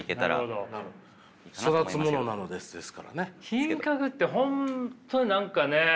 品格って本当に何かね